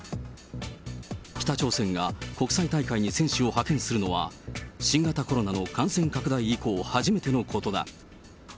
北朝鮮が国際大会に選手を派遣するのは、新型コロナの感染拡大以降、初めてのことだ。